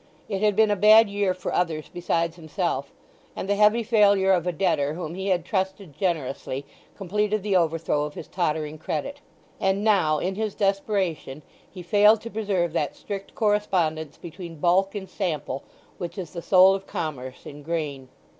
It had been a bad year for others besides himself, and the heavy failure of a debtor whom he had trusted generously completed the overthrow of his tottering credit. And now, in his desperation, he failed to preserve that strict correspondence between bulk and sample which is the soul of commerce in grain.